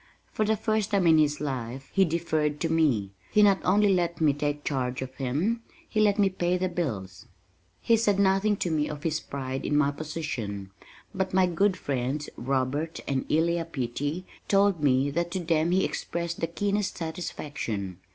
For the first time in his life, he deferred to me. He not only let me take charge of him, he let me pay the bills. He said nothing to me of his pride in my position, but my good friends Robert and Elia Peattie told me that to them he expressed the keenest satisfaction.